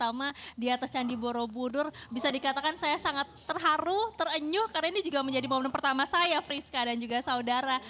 terutama di atas candi borobudur bisa dikatakan saya sangat terharu terenyuh karena ini juga menjadi momen pertama saya priska dan juga saudara